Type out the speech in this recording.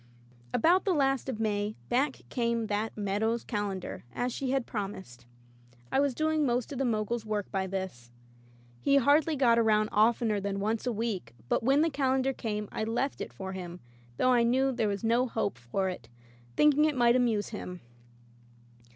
About the last of May back came that "Meadow's Calendar," as she had promised. I was doing most of the Mogul's work by this. He hardly got around oftener than once a week, but when the Calendar came I left it for him, though I knew there was no hope for it, thinking it might amuse him.